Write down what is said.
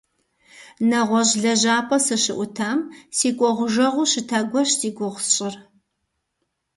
НэгъуэщӀ лэжьапӀэ сыщыӀутам си кӀуэгъужэгъуу щыта гуэрщ зи гугъу сщӀыр.